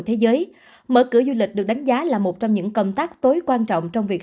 thế giới mở cửa du lịch được đánh giá là một trong những công tác tối quan trọng trong việc